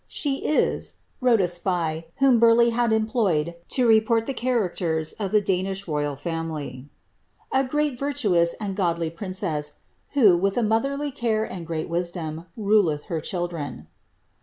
^^She is," (wrote a spy, whom Burleiffh had employed to report the characters of the Danish royal family,) ^ a right virtuous and godly princess, who, with a motherly care and great wisdom, ruleth her children."